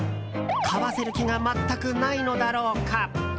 買わせる気が全くないのだろうか。